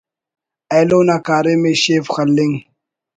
ایلو نا کاریم ءِ شیف خلنگ